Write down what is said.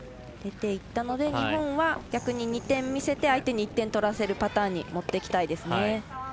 出ていったので日本は逆に２点見せて相手に１点取らせるパターンにもっていきたいですね。